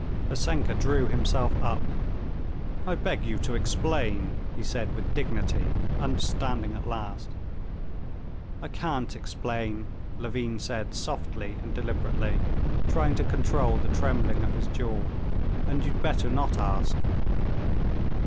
Vassenka drew himself up. "I beg you to explain...." he said with dignity, understanding at last. "I can't explain," Levin said softly and deliberately, trying to control the trembling of his jaw; "and you'd better not ask."